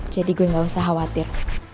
jadi gue gak usah khawatir